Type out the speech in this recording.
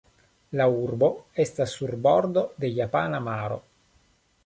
La urbo estas sur bordo de Japana maro.